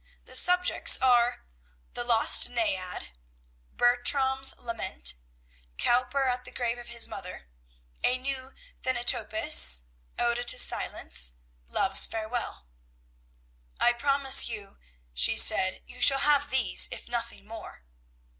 The subjects are: "The Lost Naiad; Bertram's Lament; Cowper at the Grave of His Mother; A New Thanatopsis; Ode to Silence; Love's Farewell. "I promise you," she said, "you shall have these, if nothing more."